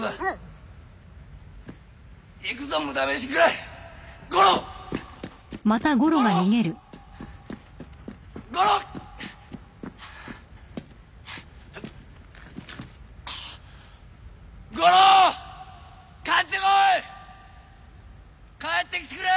頼む帰ってきてくれ！